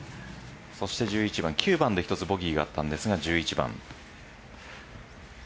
９番で１つボギーがあったんですが、１１番。